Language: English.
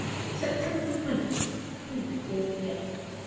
SEPTEMBER THE TWENTIETH. THREE TO FOUR P.M.